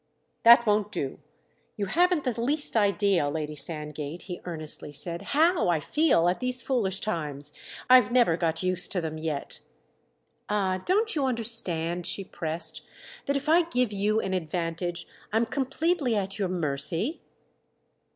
"That won't do. You haven't the least idea, Lady Sandgate," he earnestly said, "how I feel at these foolish times. I've never got used to them yet." "Ah, don't you understand," she pressed, "that if I give you an advantage I'm completely at your mercy?"